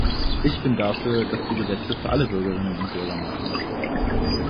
Ich bin dafür, dass wir Gesetze für alle Bürgerinnen und Bürger machen.